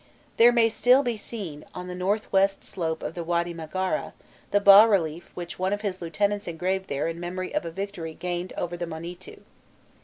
There may still be seen, on the north west slope of the Wady Maghara, the bas relief which one of his lieutenants engraved there in memory of a victory gained over the Monîtû.